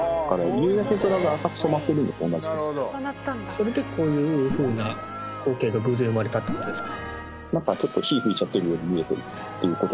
それでこういうふうな光景が偶然生まれたってことですか？